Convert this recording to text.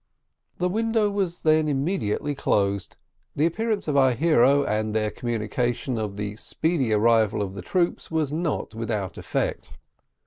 The window was then immediately closed. The appearance of our heroes, and their communication of the speedy arrival of the troops, was not without effect.